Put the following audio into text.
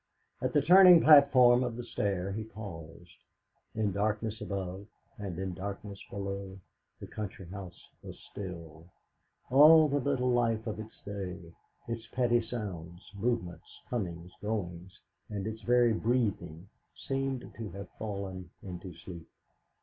At the turning platform of the stair he paused. In darkness above and in darkness below the country house was still; all the little life of its day, its petty sounds, movements, comings, goings, its very breathing, seemed to have fallen into sleep.